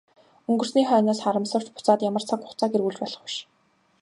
Өнгөрсний хойноос харамсавч буцаад ямар цаг хугацааг эргүүлж болох биш.